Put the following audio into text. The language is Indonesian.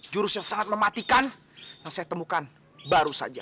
jurus yang sangat mematikan yang saya temukan baru saja